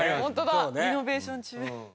リノベーション中。